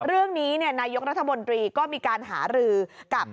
เรื่องนี้นายกรัฐมนตรีก็มีการหารือกับ